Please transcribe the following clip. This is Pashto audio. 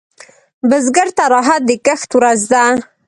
بزګر ته راحت د کښت ورځ ده